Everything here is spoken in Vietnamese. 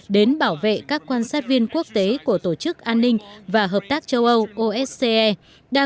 đến bảo vệ các quan sát viên quốc tế của tổ chức an ninh và hợp tác châu âu osce